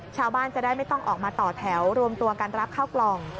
ชาวบ้านจะได้ไม่ต้องออกมาต่อแถวรวมตัวกันรับข้าวกล่อง